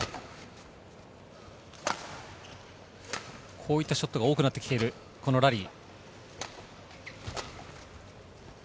こういったショットが多くなっているこのラリー。